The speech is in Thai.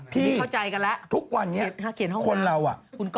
พี่ทุกวันนี้คนเราอะ